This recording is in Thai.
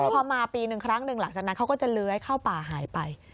พอมาปีหนึ่งครั้งหนึ่งหลังจากนั้นเขาก็จะเลื้อยเข้าป่าหายไป